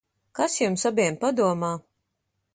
Kas jums abiem padomā?